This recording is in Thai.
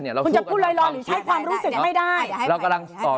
มึงจะพูดลอยลอนหรือใช้ความรู้สึกไม่ได้